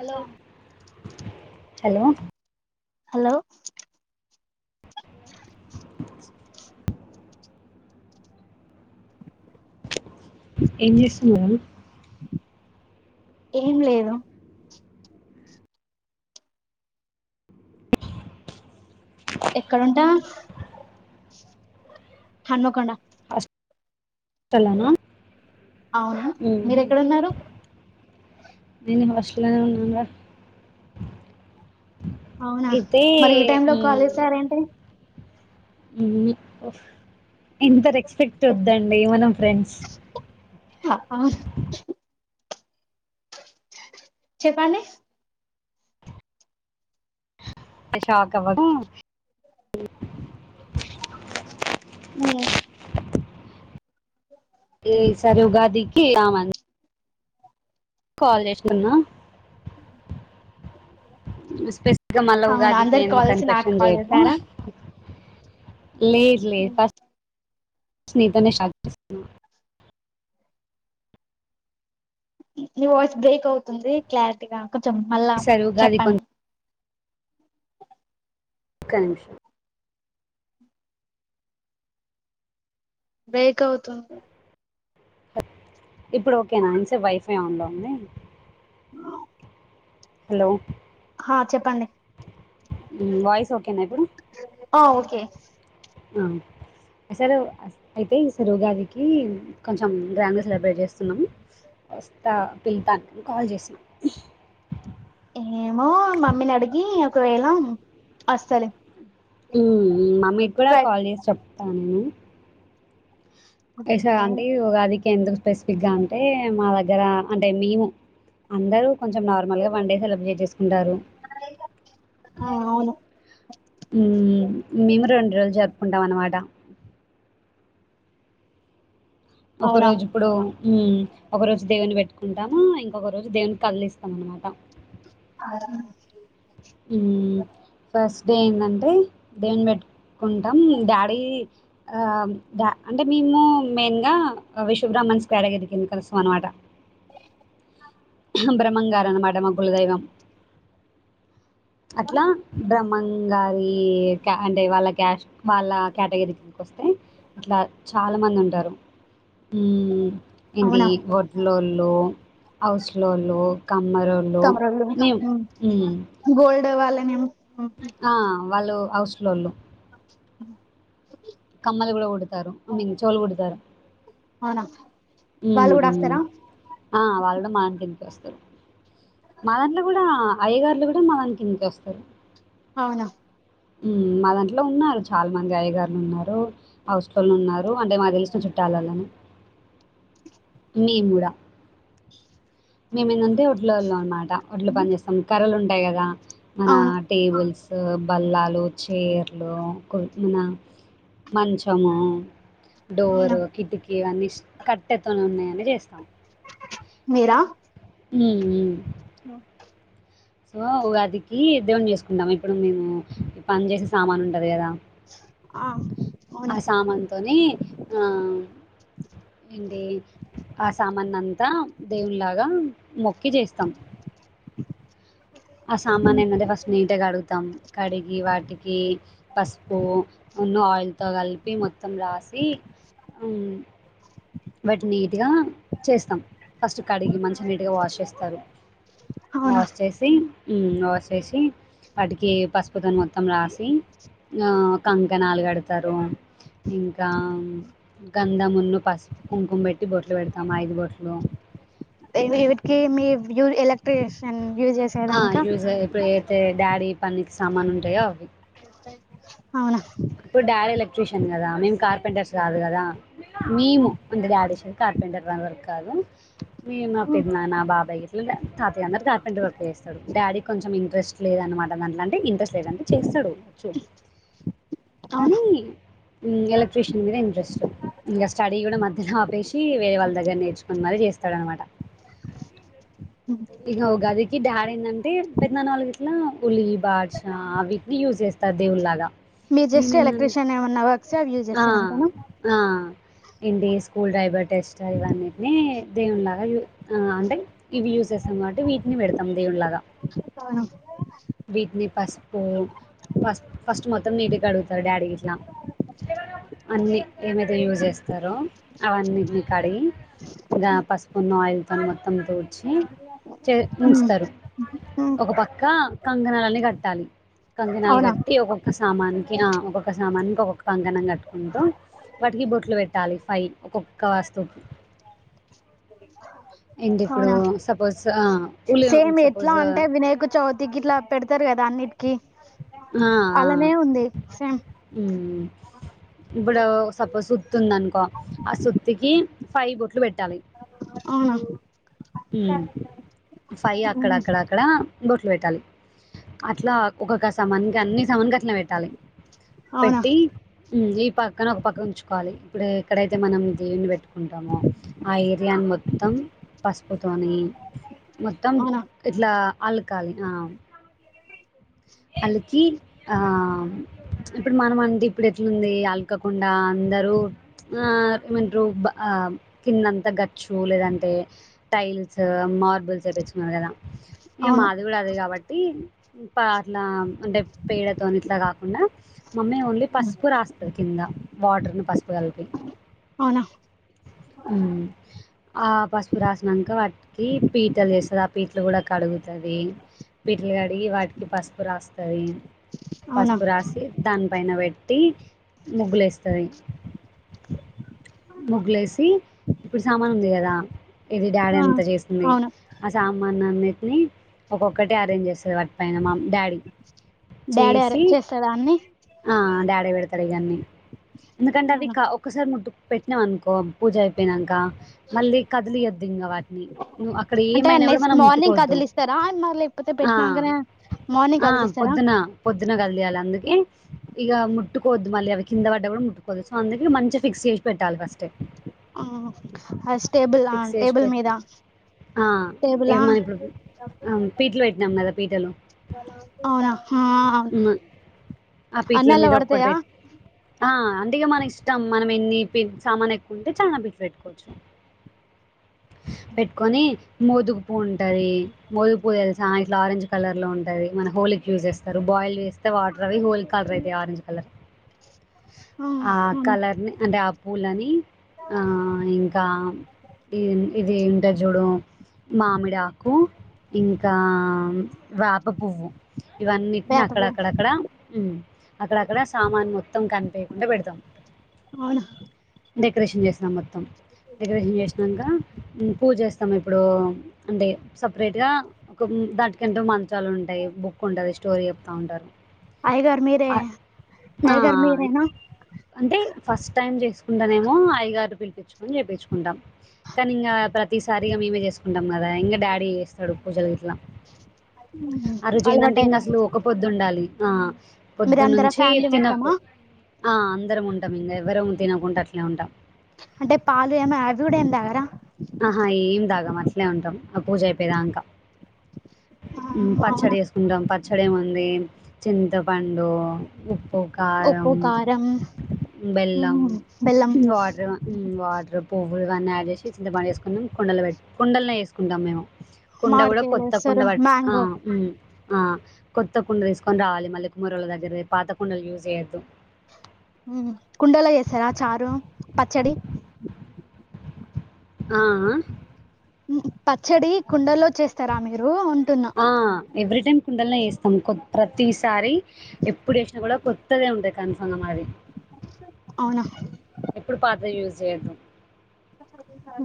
Hello hello hello ఏం చేస్తున్నారు ఏం లేదు ఎక్కడుంటా హనుమకొండ తలను అవునా ఉ మీరు ఎక్కడున్నారు నేనే హోస్టల్ లోనే ఉన్నాను గా అవునా మరి ఈ టైం లో కాల్ చేశారేంటి ఉ ఇంత రెస్పెక్ట్ వద్దండి మనం ఫ్రెండ్స్ అవును చెప్పండి షాక్ అవ్వదు ఉ ఆ ఈ సరి ఉగాదికి రామను కాల్ చేస్తున్న స్పెసిఫిక్ గా మళ్ళ అవునా ఉగాదికి అందరికి ఎందుకు కాల్ అని చేసి నాకు కన్పెషన్ కాల్ చేయకు చేసారా లేదు లేదు ఫస్ట్ నీతోనే స్టార్ట్ నీ వాయిస్ బ్రేక్ అవుతుంది క్లారిటీగా కొంచెం మళ్ళా ఈసారి ఉగాది చెప్పండి కొంచెం ఒక నిమిషం బేక్ అవుతుంది ఇప్పుడు ఓకే నా ఇన్సేపు వైఫై ఆన్లో ఉంది అ హలో వాయిస్ ఓకేనా ఇప్పుడు ఆ ఓకే ఆ సార్ అయితే ఈ సారి ఉగాదికి కొంచం గ్రాండ్ గా సెలబ్రేట్ చేస్తున్నాం వస్తా పిలితా కాల్ చేసాను ఏమో మమ్మీని అడిగి ఒకవేళ వస్తా లే మమ్మీ కూడా కాల్ చేసి చెప్తా నేను అంటే ఉగాదికి ఎందుకు స్పెసిఫిక్ గా అంటే మా దగ్గర అంటే మేము అందరూ కొంచెం నార్మల్గా వన్ డే సెలబ్రేట్ చేసుకుంటారు ఆ అవును మేము రెండు రోజులు జరుపుకుంటాం అనమాట ఒక అవునా రోజు ఇప్పుడు ఒక రోజు దేవుని పెట్టుకుంటాము ఇంకొక రోజు దేవుని తళ్లిస్తాం అనమాట అద ఫస్ట్ డే ఏంటంటే దేని బట్టు కుంటాం డాడీ ఆ అంటే మేము మెయిన్ గా విశభ్రా మన కేడగ ఎరికింది కలుసం అనమాట [inaudible] బ్రహ్మంగారూ అనమాట మా గులదైవం అట్లా బ్రహ్మంగారి అంటే వాళ్ళ కష్ వాళ్ళ కేటగిరకి వస్తే ఇట్లా చాలా మంది ఉంట ఉంటారు ఏంటి అవునా వడ్లోళు హౌస్లోలు గోల్డ్ వాళ్ళనేం వాళ్ళు హౌస్ లోళ్ళు అ కమ్మలు కూడా కుడతారు ఐ మీన్ చెవులు కుడతారు అవునా ఉ వాళ్ళు కూడా వస్తారా ఆ వాళ్ళు మా దాని కిందకి వస్తారు మా దాంట్లో గూడా అయ్యగార్లు కూడా మ దాని కిందకి వస్తారు అవునా మా దాంట్లో ఉన్నారు చాలా మంది అయ్యగారులు ఉన్నారు హౌస్కలు ఉన్నారు అంటే మా తెలుసు చుట్టాలల్లని మేము కూడా మేమెంది ఉంటే ఒడ్లోల్లం అనమాట ఒట్లు పని చేస్తాం కర్రలు ఉంట ఉంటాయి కదా మన అవును టేబుల్స్ బల్లాలు చీర్లు కొ మన మంచము డోర్ అవునా కిటికీ ఇవన్నీ కట్టెతోనే ఉన్నాయని చేస్తాం మీరా హ లో సో ఉగాదికి దేవున్ జేసుకుందామ ఇప్పుడు మేము పని జేసే సామాను ఉంటది దా ఆ అవునా ఆ సామాన్ తోనీ ఆ ఇందే ఆ సామాన్ అంతా దేవున్ లాగా మొక్కి జేస్తాం ఆ సామాన్ ఎన్నది ఫస్ట్ నీట్ కడుగుతాం కడిగి వాటికీ పసుపు నున్ను ఆయిల్తో కలిపి మొత్తం రాసి వాటి నీటిగా చేస్తాం ఫస్ట్ కడిగి మంచి నీటిగా వాష్ చేస్తారు అవునా మాస్ చేసి ఊమ్ ఆసేసి వాటికి పసుపుతోన్ మొత్తం రాసి ఆ కంకణాలు కడతారు ఇంకా గంధమును, పసుపు కుంకుం పెట్టి బొట్లు పెడతాం ఐదు బొట్లు. ఏమేమిటికి? మీర్ యు ఎలక్ట్రీషియన్ యూజ్ చేసేదానిక. పందికి సామాను ఉంటయో అవి. నేను కూడ రాను ఇప్పుడు డాడీ ఎలక్ట్రీషన్ కదా, మేము కార్పెంటర్స్ కాదు కదా, మేము అంటే డాడ్ ఏ చె కార్పెంటర్ అందరికి కాదు మేము పెదనాన్న నా బాబాయ్ గట్లా తాతయ్య అందరు కార్పెంటరీ వర్క్ చేస్తాడు డాడీ కొంచం ఇంట్రెస్ట్ లేద అనమాట అంటే ఇంట్రెస్ట్ లేదంటే చేస్తడు చే అ ఎలక్ట్రిషియ మీద ఇంట్రెస్ట్ ఇంకా స్టడీ కూడా మధ్యన ఆపేసి వేరే వాళ్ళ దగ్గర నేర్చుకుని మరి చే ఇస్తాడు అనమాట ఇక గన్ డాడ్ ఏంటంటే పెద్దనాన్న వాళ్ళు గిట్ల ఉల్లి బాధషా అవిని యూజ్ చేస్తారు దేవుళ్ లాగా మీరు జస్ట్ ఎలక్ట్ర్రిషియన్ ఏమన్నా వర్క్స అవి యూజ్ చేస్తారు అంతెన ఇంటి స్కూల్ డైబటేస్ట్ ఇవన్నిటిని దేవుని లాగ అంటే ఇవి యూస్ [unintelligible] వీటిని పెడతాం దేవుని లాగా ఆ వీటిని పసుపు పసుపు ఫస్ట్ మొత్తం నీటికి కడుగుతారు డాడీ [unintelligible] అన్నీ ఏమైతే యూజ్ చేస్తారో అవన్నిటిని కడిగి ఇంకా పసుపున్న ఆయిల్తో మొత్తం తుడ్చి చే ఉంచుతారు ఒక పక్క కంకణాలని కట్టాలి కంకణాలు అవునా అవునా కట్టి ఒక్కొక్క సామాన్నికి ఆ ఒక్కొక్క సామానికి ఒక్కొక్క కంకణం కట్టుకుంటూ వాటికి బొట్లు పెట్టాలి ఫై ఒక్కొక్క వస్తువుకి ఏంటి ఇప్పుడు అవునా సపోజ్ ఆ సేమ్ ఎట్లా అంటే వినాయక చవితికి ఇట్లా పెడతారు కదా అన్నిటికిీ అలానే ఉంది సేమ్ [unintelligible] ఇప్పుడు సపోజ్ సుత్తి ఉందనుకో ఆ సుత్తికి ఫైవ్ బొట్లు పెట్టాలి అవునా! ఊ, ఫై అక్కడ, అక్కడ, అక్కడ, బొట్లు పెట్టాలి. అట్లా ఒకొక్క సమాన్కి, అన్ని సమాన్కి అట్లా పెట్టాలి. అవునా పెట్టి ఉమ్ ఈ పక్కన ఒక పక్క ఉంచుకోవాలి. ఇప్పుడు ఎక్కడైతే, మనం దేవుని పెట్టుకుంటామో. ఆ ఏరియా మొత్తం. పసుపుతోని, మొత్తం అవునా ఇట్లా అలకాలి. అ అలికి ఆ ఇప్పుడు, మనం అంటే ఇప్పుడు ఎట్లుంది. అలకకుండా అందరూ, ఆ మన రుబా అ కిందంత గచ్చు లేదంటే, టైల్స్ మార్బుల్స్ తే చ్చుకున్నారు గదా! ఇగా, అవును మాది గూడా అదే కాబట్టి పా ఇట్లా అంటే పేడతో ఇట్లా కాకుండా, మమ్మీ ఓన్లీ పసుపు రాస్తది. కింద వాట్ రెండు పసుపు కలిపి అవునా! మ్ ఆ పసుపు రాసినంక, వాటికి పీటలు ఎస్తరు. ఆ పీటలు గూడా క కడుగుతాది. పిటలు కడిగి వాటికి పసుపు రాస్తది. అవునా పసుపు రాసి, దానిపైన పెట్టి ముగ్గులేస్తది. ముగ్గులేసి. ఇప్పుడు సామాను ఉంది. గదా ఇది ఆ! డాడీ అంతా చేసింది. అవును. ఆ సామాన్ అన్నిటిని, ఒక్కొక్కటి అరేంజ్ చేస్తది. వాటి పైన మా డాడీ డాడీ అరే చేసి, చేస్తాడా అన్నీ? ఆ డాడీ పెడతడు. ఇగా అన్నీ ఎందుకంటే, అవి అవునా! క ఒక్కసారి ముట్టు పెట్నాం అనుకో, పూజ అయిపోయినాక, మళ్ళీ కదిలియొద్ దింగవాటిని. ను అక్కడ అంటే ఏమైన గూడా, నెక్స్ట్ మనం ముట్టుకో మార్నింగ్ ఓద్దు. కదిలిస్తారా? మరి లేకపోతే ఆ పెట్టినాంకనే మార్నింగ్ ఆ కదిలిస్తారా? పొద్దున, పొద్దున కదిలియాలా. అందుకే ఇగా ముట్టుకోవద్దు. మళ్ళీ అవి కింద పడ్డ గూడా ముట్టుకోవద్దు, సో అందుకె మంచిగా ఫిక్స్ చేసి పెట్టాలి. ఫస్ట్ ఎ ఆ ఫస్టేబుల్, ఆ టేబుల్ మీద ఆ ఏ టేబులా? [unintelligible] మనం ఇప్పుడు ఆ పీట్లు పెట్టినాం గదా! అవునా! ఆ ఉమ్, ఆ అన్నీ పీటల అల్లా మీద ఒకటి పడతయా. పెట్టి ఆ అంటే గా, మన ఇష్టం మనం ఎన్ని పి సామాను, ఎక్కువ ఉంటే చాలా పి పెట్టుకోవచ్చు. పెట్టుకొని. మోదుగు పూ ఉంటది. మోదుగు పూ తెలుసా! ఇట్లా ఆరెంజ్ కలర్ లో ఉంటది. మన హోలీ కి యూస్ చేేస్తారు. బ ఆయిల్ వేస్తే వాటర్ అవి, హోల్ కలర్ అయిత యి ఆరెంజ్ కలర్. ఆ కలర్ని అంటే, ఆ పూలని ఆ ఇంకా. ఇ ఇది ఇంట జుడు మామిడాకు ఇంకా, ఆ వేప పువ్వు. ఇవన్నిటిని, అక్కడ వేపపూ అక్కడక్కడ, ఊ అక్కడక్కడ సామాన్ మొ కనిపియకుండా పెడతాం. అవునా! డెకరేషన్ చేస్తాం. మొత్తం డెకరేషన్, చేసినాక. ఊ పూజ చేస్తాం. ఇప్పుడు అంటే సపరేట్ గా ఒక దాటికంటే మంత చాలా ఉంటాయి. బుక్ ఉండదు, స్టోరీ చెప్త ఉంటారు. అయ్యగారు మీరే అట్ నా అయ్యగారు మీరేనా? అంటే ఫస్ట్ టైం చేసుకుంటే నేమో, అయ్యగారు పిలిపిచ్చుకొని చేపిచ్చుకుంటాం. కానీ, ఇంగా ప్రతిసారిగా మేమే చేసుకుంటాం, గదా ఇంగా డాడీ చేస్తాడు. పూజలు ఇట్లా హ్మ్. ఆ రోజు ఏందంటే, ఇంగా అసలు అలవాటయిపోయింది. ఒకపోద్దుఉండాలి. ఆ మీరందరా పొద్దునుంచి, ఫ్యామిలీ తినకు మొత్తమా? ఆ అందరం ఉంటాం. ఇంగా ఎవరం తినకుంట అట్లా. నేన్ ఉంటాం. అంటే పాలు, ఏమి అవి గూడా ఏమి తాగరా? ఆహా, ఏం తాగం అట్లే ఉంటాం. ఆ పూజ అయిపోయిదంకా. ఆ! మ్ అవునా! పచ్చడి చేసుకుంటాం. పచ్చడి ఏముంది, చింతపండు ఉప్పు, ఉప్పు, కారం కారం, బెల్లం హ్మ్. బెల్లం వాటర్ [unintelligible] వాటర్ పో గుడివాన్ని యాడ్ చేసి చింతపం వేసుకున్నాం కుండలు పెట్టి కుండలనే వేసుకుంటాం మేము కుండ కూడా మామిడికాయలు కొత్త కుండ వేస్తారు పట్ ఆ మ్యాంగో ఉమ్ ఆ కొత్త కుండ తీసుకొని రావాలి మల్ల కుమ్మరుల దగ్గర పోయి పాత కుండలు యూజ్ చేయ్యద్దు ఉమ్ కుండలో చేసారా చారు పచ్చడి ఆ ఆ ఉమ్ పచ్చడి కుండల్లో చేస్తారా మీరు అంటున్నా ఆ ఎవ్రీ టైమ్ కుండలనే వేస్తాం కొబ్ ప్రతిసారి ఎప్పుడు వేసినా కూడా కొత్తదే ఉంటాయి కన్ఫాంగ మాది అవునా ఎప్పుడు పాతది యూజ్ చేయొదు ఒకసారి చూసావా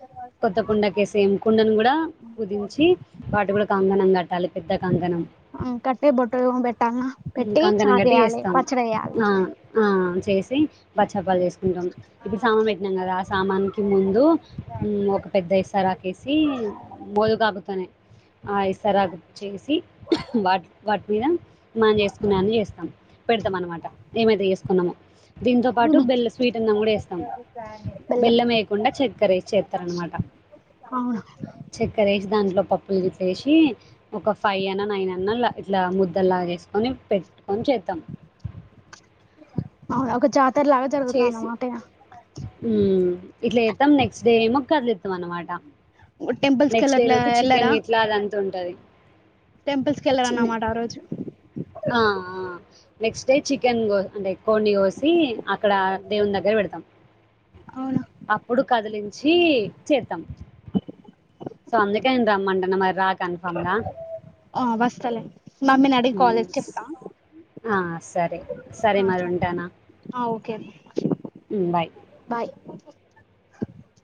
[unintelligible] కొత్త కుండకేసేం కుండను కూడా పుదించి వాటి కూడా కంకణం కట్టాలి పెద్ద కంకణం ఆ కట్టి బొట్టు ఏమో పెట్ ఉమ్ కంకణం గటి వేస్తాం వేయాలి ఆ ఆ చేసి బచ్చపాలు చేసుకుంటాం ఇప్పుడు సామాన్ పెట్టినాం కదా ఆ సామాన్నికి ముందు పెద్ద ఇసరకు వేసి మోదు కాపుతోనే ఆ ఇసరాకు చేసి వాటి వాటి మీద మనం చేసుకున్నాన్ని చేస్తాం పెడతాం అనమాట ఏమైతే చేసుకున్నామో దీంతో పాటు బెల్ల స్వీట్ అన్నం కూడా వేస్తాం బెల్లం వేయకుండా చక్కరే ఏసి చేస్తారనమాట అవును చక్కర వేసి దాంట్లో పప్పులు తీసేసి ఒక ఫైవ్ అయినా నైన్ అన్నా ఇట్లా ముద్దలులాగే చేస్ నీ పెట్టుకొని చేస్తాం అవును ఒక జాత్ చేసి ఇట్లా ఎస్తాం నెక్స్ట్ డే మో కార్ల్ చేస్తాం అనమాట టెంపుల్స్ కి నెక్స్ట్ డే వెళ్ళట్లే రోజు వెళ్ళరా చికెన్ గిట్లాగా దంతా ఉంటది టెంపుల్స్ కి చిన్ని వెళ్లరన్నమాట ఆ రోజు ఆ ఆ నెక్స్ట్ డే చికెన్ కో అంటే కోడి కోసి అక్కడ దేవుని దగ్గర పెడతాం అవునా అప్పుడు కదిలించి చేతాం సందికతేమంటున మరి రా కన్ఫర్మ్‌గా. ఆ వస్తలే మమ్మీని అడిగి కాల్ హ్మ్. చేసి చెప్తా ఆ సరే సరే మరి ఉంటానా ఆ ఓకే హ్మ్. బాయ్. బాయ్